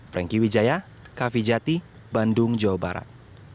franky wijaya kavijati bandung jawa barat